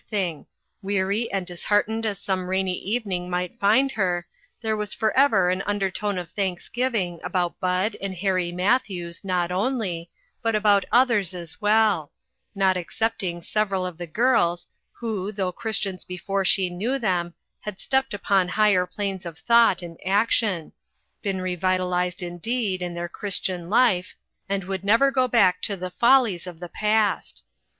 thing; weary and disheartened as some rainy evening might find her, there was forever an undertone of thanksgiving about Bud and Harry Matthews, not only, but about others as well ; not excepting several of the gh'ls, who, though Christians before she knew them, had stepped upon higher planes of thought and action been vitalized, indeed, in their Christian life, and would never go back to the follies of the past.